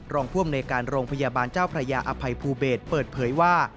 รองผู้อำนวยการโรงพยาบาลเจ้าพระยาอภัยภูเบศเปิดเผยว่า